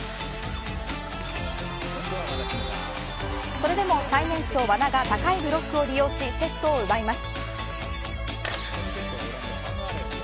それでも、最年少和田が高いブロックを利用しセットを奪います。